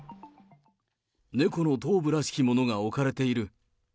猫の頭部らしきものが置かれている。